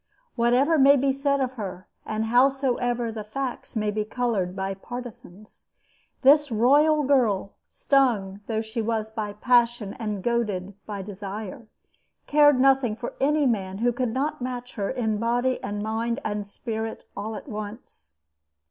Whatever may be said of her, and howsoever the facts may be colored by partisans, this royal girl, stung though she was by passion and goaded by desire, cared nothing for any man who could not match her in body and mind and spirit all at once.